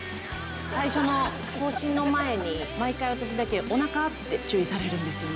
最初の行進の前に毎回、私だけおなか！って注意されるんですよね。